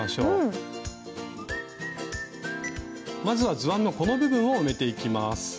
まずは図案のこの部分を埋めていきます。